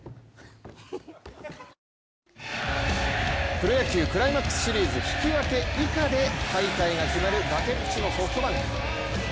プロ野球、クライマックスシリーズ引き分け以下で敗退が決まる崖っぷちのソフトバンク。